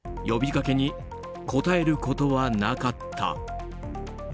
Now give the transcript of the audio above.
呼びかけに答えることはなかった。